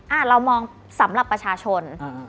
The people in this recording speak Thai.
เรามองสำหรับประชาชน